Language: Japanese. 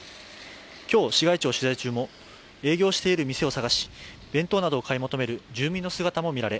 今日、市街地を取材中も営業している店を探し弁当などを買い求める住民の姿もみられ、